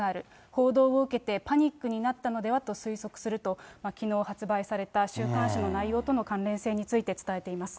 報道を受けてパニックになったのではと推測すると、きのう発売された週刊誌の内容との関連性について伝えています。